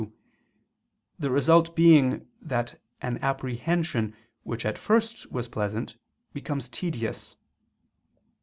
2), the result being that an apprehension which at first was pleasant becomes tedious.